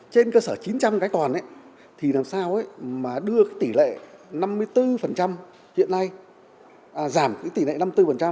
trên cơ sở chín trăm linh cái còn thì làm sao mà đưa cái tỷ lệ năm mươi bốn hiện nay giảm cái tỷ lệ năm mươi bốn